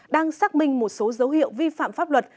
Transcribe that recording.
đang xác minh một số dấu hiệu vi phạm pháp luật